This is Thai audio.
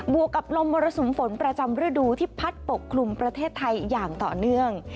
วกกับลมมรสุมฝนประจำฤดูที่พัดปกคลุมประเทศไทยอย่างต่อเนื่อง